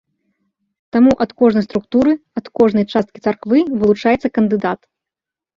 Таму ад кожнай структуры, ад кожнай часткі царквы вылучаецца кандыдат.